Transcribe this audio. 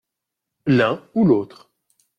L’un ou l’autre.